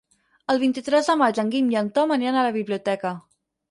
El vint-i-tres de maig en Guim i en Tom aniran a la biblioteca.